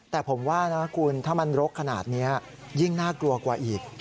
แต่ผมว่านะคุณถ้ามันรกขนาดนี้ยิ่งน่ากลัวกว่าอีก